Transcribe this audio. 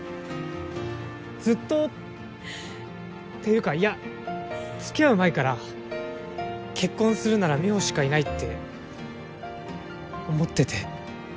ずっとっていうかいや付き合う前から結婚するなら美帆しかいないって思ってて。